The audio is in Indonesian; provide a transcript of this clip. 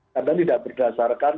kadang tidak berdasarkan